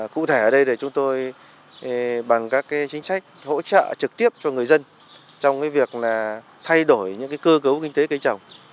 cụ thể ở đây thì chúng tôi bằng các cái chính sách hỗ trợ trực tiếp cho người dân trong cái việc là thay đổi những cái cơ cấu kinh tế cây trồng